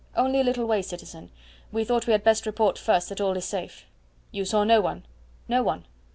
"Only a little way, citizen. We thought we had best report first that all is safe." "You saw no one?" "No one."